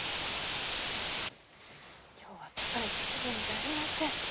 今日は疲れて気分じゃありません。